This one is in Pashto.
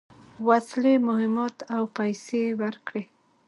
وسلې، مهمات او پیسې ورکړې.